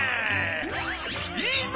いいぞ！